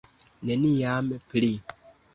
Neniam pli.